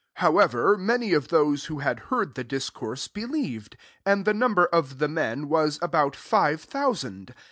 4 (iltmr^ ever, many of those who ISaA heard the discourse^ believei t and the number of the men ynm about five thousand).